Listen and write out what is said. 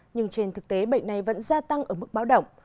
nhưng trên thực tế bệnh này vẫn gia tăng ở mức báo động